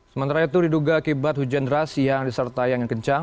sementara itu diduga akibat hujan deras yang disertai angin kencang